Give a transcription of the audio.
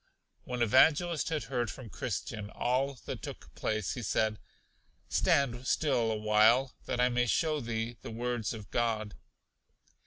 When Evangelist had heard from Christian all that took place, he said: Stand still a while, that I may show thee the words of God.